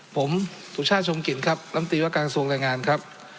ผมสุชาติชมกลิ่นครับลำตีว่าการทรงแรงงานครับ